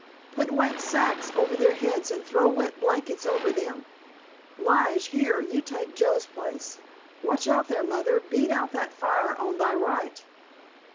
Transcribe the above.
"Put wet sacks over their heads and throw wet blankets over them! Lige, here, you take Joe's place! Watch out there, Mother, beat out that fire on thy right!"